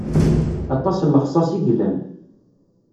Aṭas n lexṣaṣ i yellan.